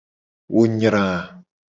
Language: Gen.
Wo nyra.